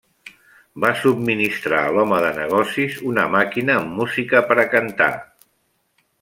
Va subministrar a l'home de negocis una màquina amb música per a cantar.